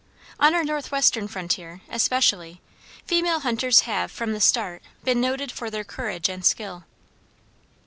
On our northwestern frontier, especially, female hunters have, from the start, been noted for their courage and skill.